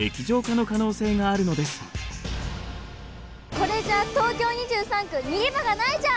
これじゃ東京２３区逃げ場がないじゃん！